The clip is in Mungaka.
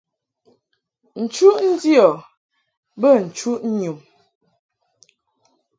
Nchuʼ ndiɔ bə nchuʼ nyum.